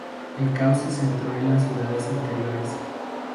El caos se centró en las ciudades interiores.